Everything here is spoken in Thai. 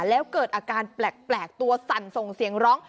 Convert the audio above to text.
แล้วเกิดอาการแปลกตัวสั่นส่งเสียงร้อง